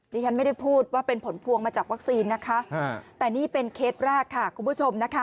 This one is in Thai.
ดิฉันไม่ได้พูดว่าเป็นผลพวงมาจากวัคซีนนะคะแต่นี่เป็นเคสแรกค่ะคุณผู้ชมนะคะ